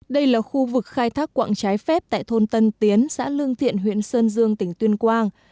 đây là khu vực khai thác quạng trái phép tại thôn tân tiến xã lương thiện huyện sơn dương tỉnh tuyên quang